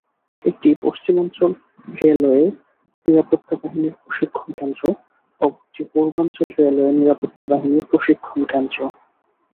একটি পশ্চিমাঞ্চল রেলওয়ে নিরাপত্তা বাহিনীর প্রশিক্ষণকেন্দ্র, অপরটি পূর্বাঞ্চল রেলওয়ে নিরাপত্তা বাহিনীর প্রশিক্ষণকেন্দ্র।